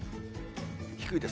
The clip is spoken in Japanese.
低いです。